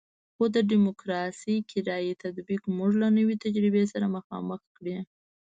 خو د ډیموکراسي کرایي تطبیق موږ له نوې تجربې سره مخامخ کړی.